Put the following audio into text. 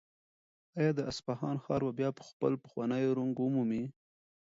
آیا د اصفهان ښار به بیا خپل پخوانی رونق ومومي؟